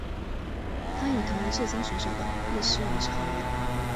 她与同为浙江选手的叶诗文是好友。